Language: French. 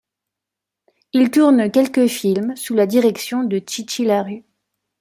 Il tourne quelques films sous la direction de Chi Chi LaRue.